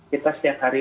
kita setiap hari